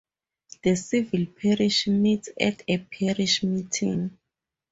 The civil parish meets at a Parish Meeting.